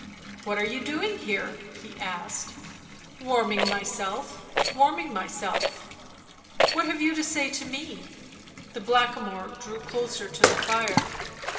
" What are you doing here V' he asked. u Warming myself, warming myself." (l What have you to say to me ?" The Blackamoor drew closer to the fire.